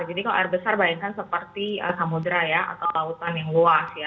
jadi kalau air besar bayangkan seperti samudera ya atau lautan yang luas ya